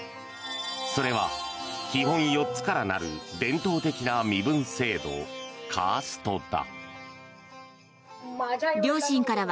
それは基本４つから成る伝統的な身分制度、カーストだ。